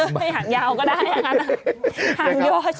หางยาวก็ได้หางยอด